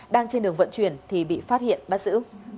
đang trên đường vận chuyển thì bị phát hiện bắt giữ